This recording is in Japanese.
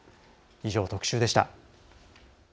以上、特集でした。